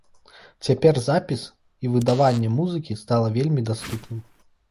Цяпер запіс і выдаванне музыкі стала вельмі даступным.